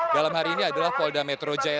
dalam hari ini adalah polda metro jaya